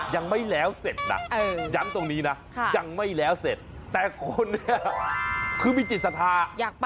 ยังไม่แล้วเสร็จนะย้ำตรงนี้นะแต่คุณคือมีจิตสถา